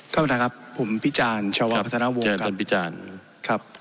ขอบคุณครับผมพี่จานชาวพัฒนาวงค์ครับเจอท่านพี่จานครับ